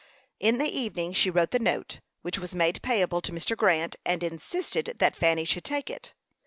In the evening she wrote the note, which was made payable to Mr. Grant, and insisted that Fanny should take it.